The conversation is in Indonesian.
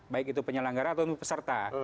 baik itu penyelenggara atau peserta